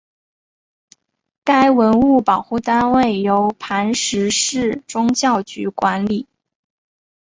该文物保护单位由磐石市宗教局管理。